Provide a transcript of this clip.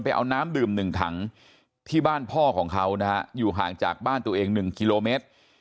เอาน้ำดื่ม๑ถังที่บ้านพ่อของเขานะฮะอยู่ห่างจากบ้านตัวเอง๑กิโลเมตร